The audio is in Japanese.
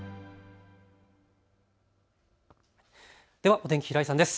お天気、平井さんです。